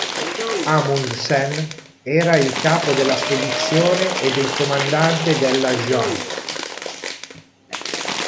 Amundsen era il capo della spedizione ed il comandante della "Gjøa's".